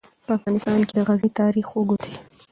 په افغانستان کې د غزني تاریخ اوږد دی.